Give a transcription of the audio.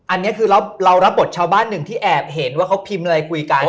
อันนี้คือเรารับบทชาวบ้านหนึ่งที่แอบเห็นว่าเขาพิมพ์อะไรคุยกัน